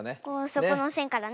そこのせんからね。